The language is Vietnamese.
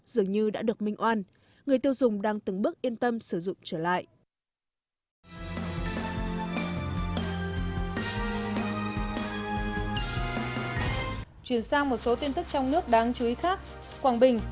dường như đã được minh oan người tiêu dùng đang từng bước yên tâm sử dụng trở lại